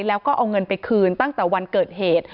แล้วก็เอาเงินไปคืนตั้งแต่วันเกิดเหตุ